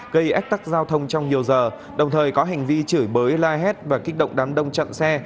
gây ách tắc giao thông trong nhiều giờ đồng thời có hành vi chửi bới la hét và kích động đám đông chặn xe